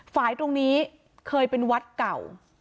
ฝ่ายตรงนี้เคยเป็นวัดเก่า